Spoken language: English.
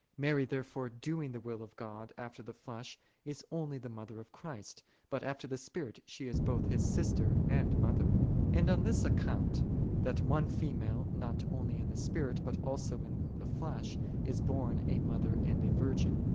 Mary, therefore, doing the will of God, after the flesh, is only the mother of Christ, but after the Spirit she is both His sister and mother. 6. And on this account, that one female, not only in the Spirit, but also in the flesh, is both a mother and a virgin.